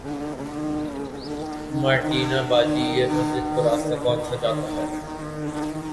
Martina باجی یہ مسجد کو راستہ کونسا جاتا ہے